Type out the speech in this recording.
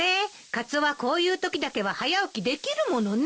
カツオはこういうときだけは早起きできるものね。